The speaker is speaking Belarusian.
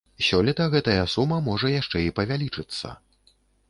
Сёлета гэтая сума можа яшчэ і павялічыцца.